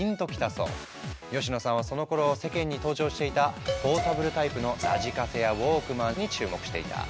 吉野さんはそのころ世間に登場していたポータブルタイプのラジカセやウォークマンに注目していた。